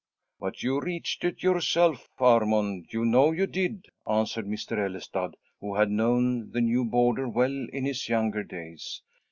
"But you reached it yourself, Armond, you know you did," answered Mr. Ellestad, who had known the new boarder well in his younger days.